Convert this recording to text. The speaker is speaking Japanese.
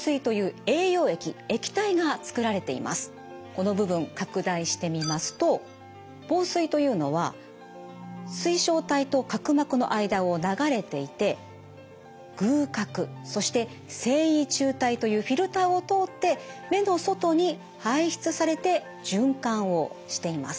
この部分拡大してみますと房水というのは水晶体と角膜の間を流れていて隅角そして線維柱帯というフィルターを通って目の外に排出されて循環をしています。